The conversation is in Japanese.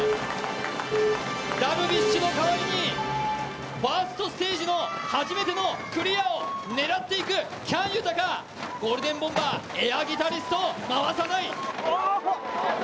樽美酒の代わりにファーストステージの初めてのクリアを狙っていく喜矢武豊、ゴールデンボンバーエアギタリスト、回さない。